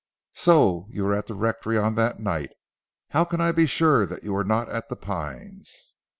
"So you were at the rectory on that night? How can I be sure that you were not at 'The Pines?'"